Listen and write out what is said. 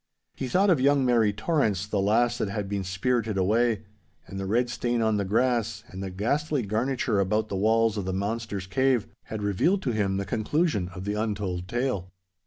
He thought of young Mary Torrance, the lass that had been spirited away. And the red stain on the grass, and the ghastly garniture about the walls of the monster's cave, had revealed to him the conclusion of the untold tale.